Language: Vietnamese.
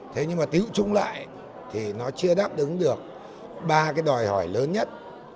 thế nhưng mà tiêu chung lại thì nó chưa đáp đứng được ba cái đòi hỏi lớn nhất